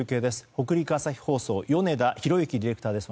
北陸朝日放送の米田宏行ディレクターです。